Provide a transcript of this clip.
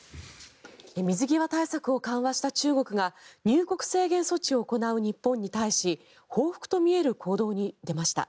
水際対策を緩和した中国が入国制限措置を行う日本に対し報復と見える行動に出ました。